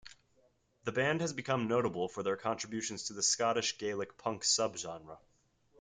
The band has become notable for their contributions to the Scottish Gaelic punk subgenre.